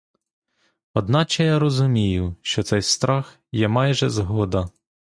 Одначе я розумію, що цей страх є майже згода.